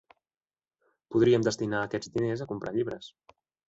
Podríem destinar aquests diners a comprar llibres.